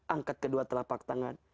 angkat kedua telapak tangan